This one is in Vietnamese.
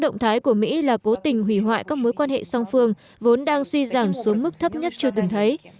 động thái của mỹ là cố tình hủy hoại các mối quan hệ song phương vốn đang suy giảm xuống mức thấp nhất chưa từng thấy